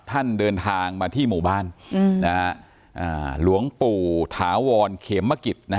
เดินทางมาที่หมู่บ้านหลวงปู่ถาวรเขมมะกิจ